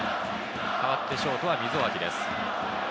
代わってショートは溝脇です。